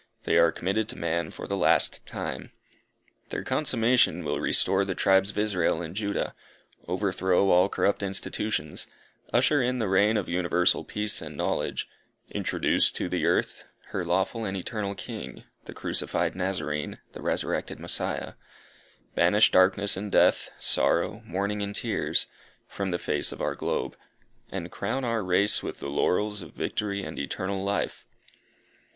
They are committed to man for the last time. Their consummation will restore the tribes of Israel and Judah; overthrow all corrupt institutions; usher in the reign of universal peace and knowledge; introduce to the earth her lawful and eternal King, the crucified Nazarene, the resurrected Messiah; banish darkness and death, sorrow, mourning and tears, from the face of our globe; and crown our race with the laurels of victory and eternal life.